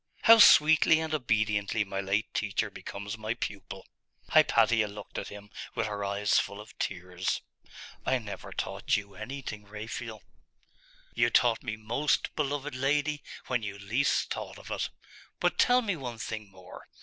'How sweetly and obediently my late teacher becomes my pupil!' Hypatia looked at him with her eyes full of tears. 'I never taught you anything, Raphael.' 'You taught me most, beloved lady, when you least thought of it. But tell me one thing more.